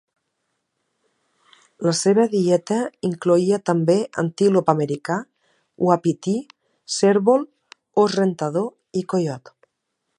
La seva dieta incloïa també antílop americà, uapití, cérvol, ós rentador i coiot.